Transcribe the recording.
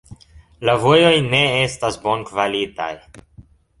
La vojoj ne estas bonkvalitaj.